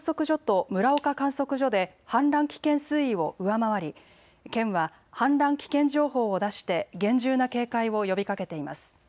香住観測所と村岡観測所で氾濫危険水位を上回り県は氾濫危険情報を出して厳重な警戒を呼びかけています。